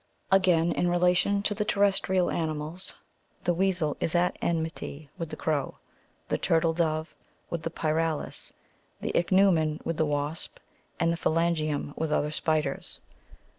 Again, in relation to the terrestrial animals, the weasel is at enmity with the crow, the turtle dove with the pyrallis,^^ the ichneumon with the wasp, and the phalangium with other spiders.